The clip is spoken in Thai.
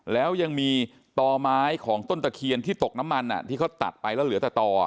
แล้วยังมีต่อไม้ของต้นตะเคียนที่ตกน้ำมันที่เขาตัดไปแล้วเหลือแต่ต่อ